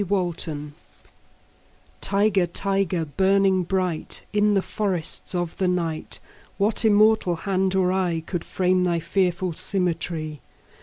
The Tiger TIGER, tiger, burning bright In the forests of the night, What immortal hand or eye Could frame thy fearful symmetry?